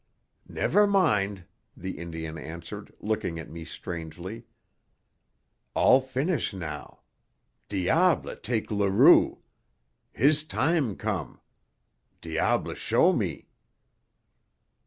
"Never mind," the Indian answered, looking at me strangely. "All finish now. Diable take Leroux. His time come. Diable show me!"